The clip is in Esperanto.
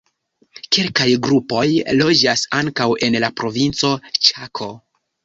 Kelkaj grupoj loĝas ankaŭ en la provinco Ĉako.